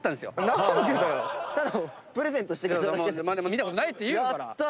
見たことないって言うから。